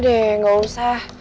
udah deh gak usah